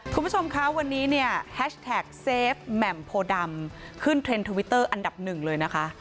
คุณผู้ชมคะวันนี้เนี่ยแฮชแท็กเซฟแหม่มโพดำขึ้นเทรนด์ทวิตเตอร์อันดับหนึ่งเลยนะคะ